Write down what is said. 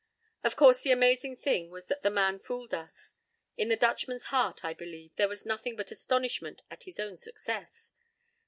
p> Of course the amazing thing was that the man fooled us. In the Dutchman's heart, I believe, there was nothing but astonishment at his own success.